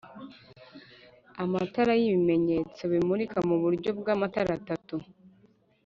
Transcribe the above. Amatara y'ibimenyetso bimurika mu buryo bw'amatara atatu